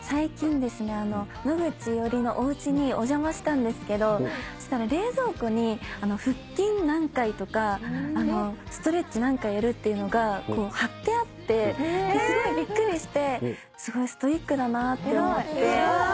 最近ですね野口衣織のおうちにお邪魔したんですけどそしたら冷蔵庫に腹筋何回とかストレッチ何回やるっていうのが張ってあってすごいびっくりしてすごいストイックだなって思って。